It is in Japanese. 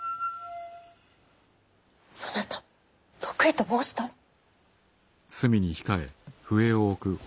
そなた得意と申したろう！